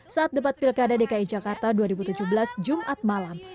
saat debat pilkada dki jakarta dua ribu tujuh belas jumat malam